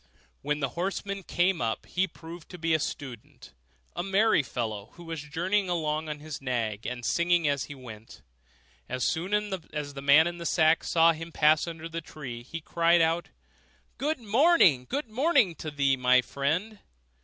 When the horseman came up, he proved to be a student, a merry fellow, who was journeying along on his nag, and singing as he went. As soon as the man in the sack saw him passing under the tree, he cried out, 'Good morning! good morning to thee, my friend!